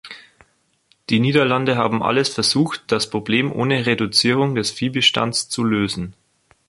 Die Niederlande haben alles versucht, das Problem ohne Reduzierung des Viehbestands zu lösen.